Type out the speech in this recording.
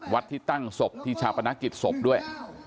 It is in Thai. ที่ตั้งศพที่ชาปนกิจศพด้วย